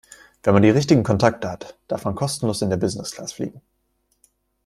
Wenn man die richtigen Kontakte hat, darf man kostenlos in der Business-Class fliegen.